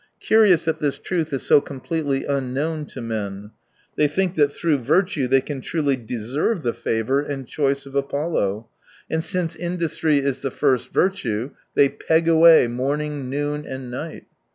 Curious that this truth is so completely unknown to men. They think that through virtue they can truly deserve the favour and choice of Apollo. And since industry is 150 the first virtue, they peg away, morning, noon, and night.